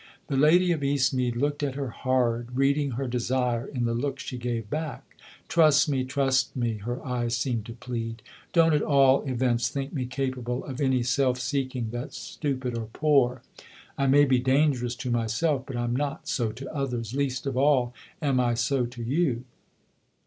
The lady of Eastmead looked at her hard, reading her desire in the look she gave back. " Trust me, trust me," her eyes seemed to plead ;" don't at all events think me capable of any self seeking that's stupid or poor. I may be dangerous to myself, but I'm not so to others ; least of all am I so to you."